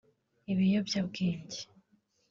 ibiyobyabwenge